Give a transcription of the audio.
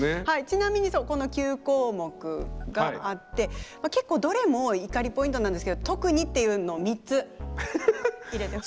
ちなみにこの９項目があって結構どれも怒りポイントなんですけど特にっていうのを３つ入れて。